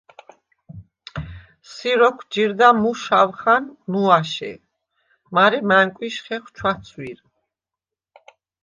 “სი როქუ̂ ჯირდა მუ შაუ̂ხან ნუაშე, მარე მა̈ნკუ̂იშ ხეხუ̂ ჩუ̂აცუ̂ირ.